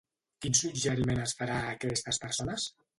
Quin suggeriment es farà a aquestes persones?